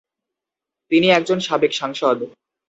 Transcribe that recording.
তিনি একজন সাবেক সাংসদ।